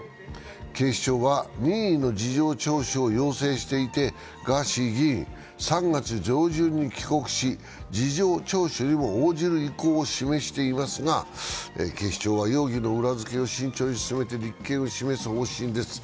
警視庁は任意の事情聴取を要請していてガーシー議員、３月上旬に帰国し事情聴取にも応じる意向を示していますが、警視庁は容疑の裏付けを慎重に進めて立件を目指す方針です。